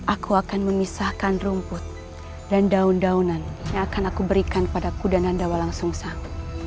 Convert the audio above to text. aku akan memisahkan rumput dan daun daunan yang akan aku berikan pada kuda nadawalangsungsang